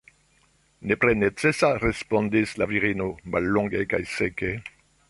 Nepre necesa, respondis la virino mallonge kaj seke.